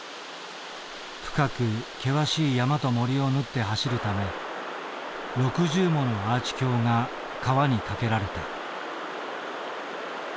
深く険しい山と森を縫って走るため６０ものアーチ橋が川に架けられた。